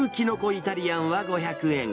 イタリアンは５００円。